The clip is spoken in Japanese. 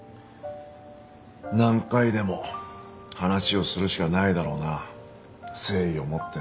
何回でも話をするしかないだろうな誠意を持って。